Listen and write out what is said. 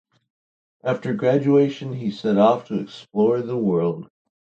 After graduation he set off to explore the world.